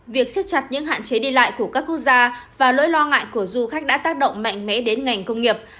việc xếp chặt những hạn chế đi lại của các quốc gia và nỗi lo ngại của du khách đã tác động mạnh mẽ đến ngành công nghiệp